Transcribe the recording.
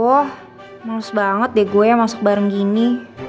aduh malas banget deh gue yang masak bareng gini